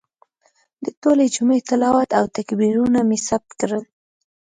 د ټولې جمعې تلاوت او تکبیرونه مې ثبت کړل.